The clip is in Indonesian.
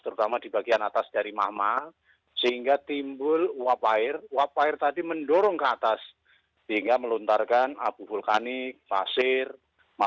terutama di bagian atas dari mama